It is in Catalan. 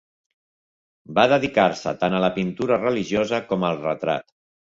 Va dedicar-se tant a la pintura religiosa com al retrat.